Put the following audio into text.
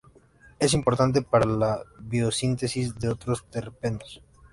Es importante para la biosíntesis de otros terpenos.